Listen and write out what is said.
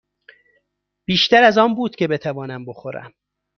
بیشتر از آن بود که بتوانم بخورم.